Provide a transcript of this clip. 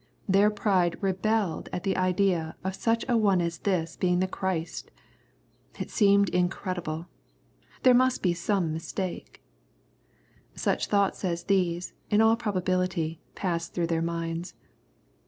Their pride rebelled at the idea of. such an one as this being the Christ I It seemed incredible ! There must be some mistake 1 Such thoughts as these, in all probability, passed through their minds.